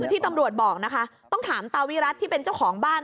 ที่ตำรวจบอกนะคะต้องถามตาวิรัติที่เป็นเจ้าของบ้าน